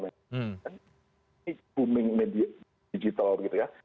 ini booming media digital gitu ya